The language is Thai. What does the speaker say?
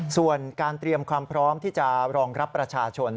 ส่วนการเตรียมความพร้อมที่จะรองรับประชาชน